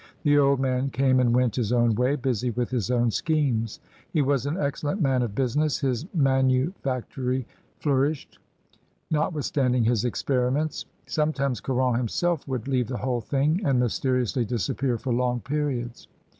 The old man came and went his own way, busy with his own schemes. He was an excellent man of busi ness; his manufactory flourished, notwithstanding his experiments. Sometimes Caron himself would leave the whole thing and mysteriously disappear for long periods.